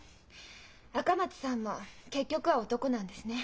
赤松さんも結局は男なんですね。